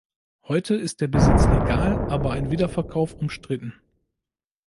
Heute ist der Besitz legal, aber ein Wiederverkauf umstritten.